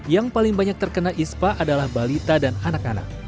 yang paling banyak terkena ispa adalah balita dan anak anak